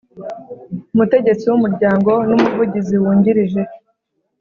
Umutegetsi w umuryango n Umuvugizi wungirije